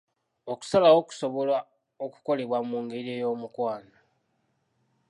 Okusalawo kusobola okukolebwa mu ngeri ey'omukwano.